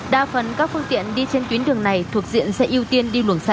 đa phần các phương tiện đi trên tuyến đường này thuộc diện sẽ ưu tiên đi lùng xanh